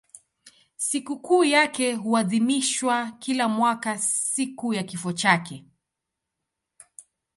Sikukuu yake huadhimishwa kila mwaka siku ya kifo chake.